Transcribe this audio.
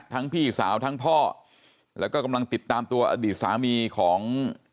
พี่สาวทั้งพ่อแล้วก็กำลังติดตามตัวอดีตสามีของ